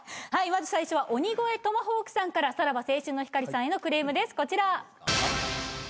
まず最初は鬼越トマホークさんからさらば青春の光さんへのクレームですこちら。